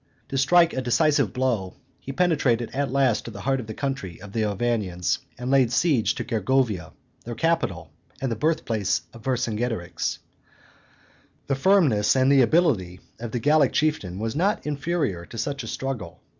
To strike a decisive blow, he penetrated at last to the heart of the country of the Arvernians, and laid siege to Gergovia, their capital and the birthplace of Vercingetorix. The firmness and the ability of the Gallic chieftain were not inferior to such a struggle.